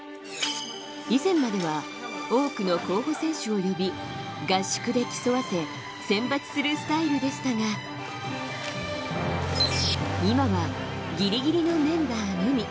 以前までは多くの候補選手を呼び、合宿で競わせ、選抜するスタイルでしたが、今はギリギリのメンバーのみ。